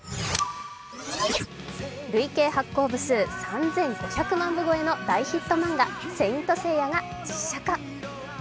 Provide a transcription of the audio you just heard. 累計発行部数３５００万部超えの大ヒット漫画、「聖闘士星矢」が実写化。